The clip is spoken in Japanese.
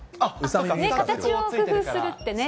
形を工夫するってね。